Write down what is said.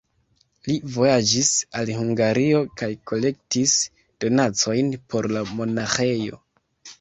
Li vojaĝis al Hungario kaj kolektis donacojn por la monaĥejo.